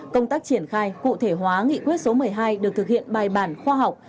công tác triển khai cụ thể hóa nghị quyết số một mươi hai được thực hiện bài bản khoa học